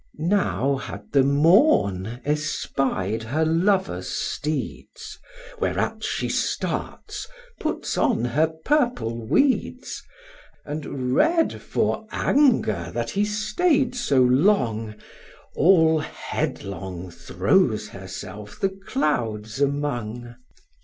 Now had the Morn espied her lover's steeds; Whereat she starts, puts on her purple weeds, And, red for anger that he stay'd so long, All headlong throws herself the clouds among.